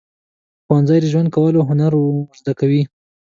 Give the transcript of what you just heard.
ښوونځی د ژوند کولو هنر ورزده کوي.